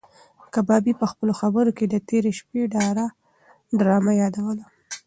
کبابي په خپلو خبرو کې د تېرې شپې ډرامه یادوله.